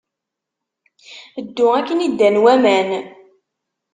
Ddu akken i ddan waman.